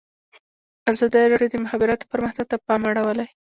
ازادي راډیو د د مخابراتو پرمختګ ته پام اړولی.